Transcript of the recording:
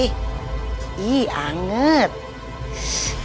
eh eh dikit dikit dikit